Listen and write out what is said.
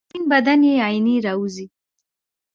تر سپین بدن یې آئینې راوځي